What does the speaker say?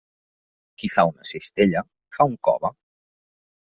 Qui fa una cistella, fa un cove.